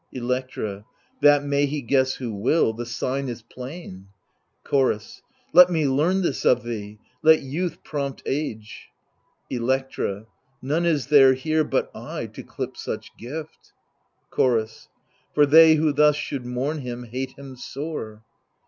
Electra That may he guess who will ; the sign is plain. Chorus Let me learn this of thee ; let youth prompt age. Electra None is there here but I, to clip such gift. Chorus For they who thus should mourn him hate him sore.